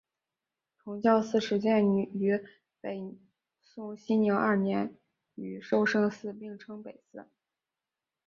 崇教寺始建于北宋熙宁二年与寿圣寺并称北寺。